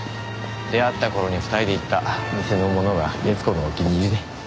出会った頃に２人で行った店のものが悦子のお気に入りで。